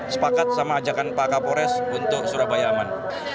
sepakat sama ajakan pak kapolres untuk surabaya aman